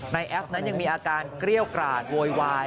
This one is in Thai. แอฟนั้นยังมีอาการเกรี้ยวกราดโวยวาย